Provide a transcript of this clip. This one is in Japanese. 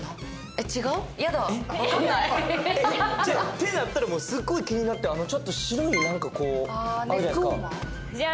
てなったらすごい気になったのちょっと白い何かこうあるじゃないですか。